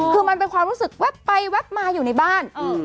คือมันเป็นความรู้สึกแว๊บไปแวบมาอยู่ในบ้าน